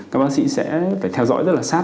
các bác sĩ sẽ phải theo dõi rất là sát